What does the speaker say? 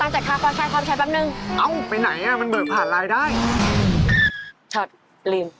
ชอบรีม